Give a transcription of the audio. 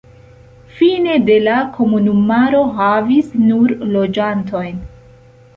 Fine de la komunumaro havis nur loĝantojn.